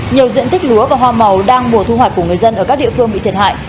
nhiều diện tích lúa và hoa màu đang mùa thu hoạch của người dân ở các địa phương bị thiệt hại